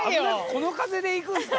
この風で行くんですか？